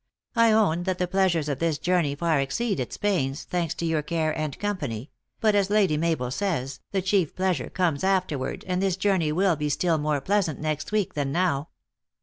I own that the pleasures of this journey far exceed its pains, thanks to your care and company ; but, as Lady Ma bel says, the chief pleasure comes afterward, and this journey will be still more pleasant next week than now."